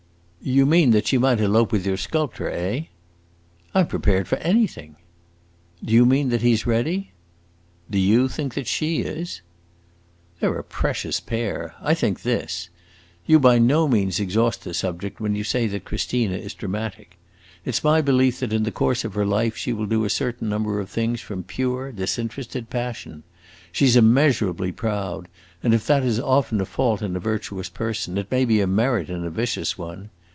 "You mean that she might elope with your sculptor, eh?" "I 'm prepared for anything!" "Do you mean that he 's ready?" "Do you think that she is?" "They 're a precious pair! I think this. You by no means exhaust the subject when you say that Christina is dramatic. It 's my belief that in the course of her life she will do a certain number of things from pure disinterested passion. She 's immeasurably proud, and if that is often a fault in a virtuous person, it may be a merit in a vicious one.